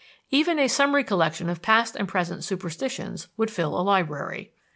Even a summary collection of past and present superstitions would fill a library.